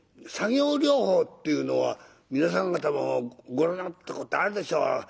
作業療法っていうのは皆さん方もご覧なったことあるでしょう。